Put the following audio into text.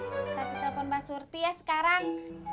kita telpon mbak surti ya sekarang